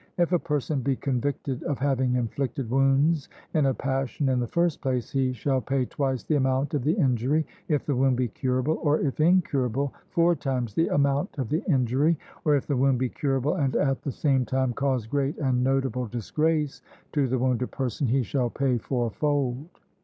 If a person be convicted of having inflicted wounds in a passion, in the first place he shall pay twice the amount of the injury, if the wound be curable, or, if incurable, four times the amount of the injury; or if the wound be curable, and at the same time cause great and notable disgrace to the wounded person, he shall pay fourfold.